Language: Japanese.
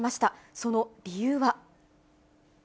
その理由は。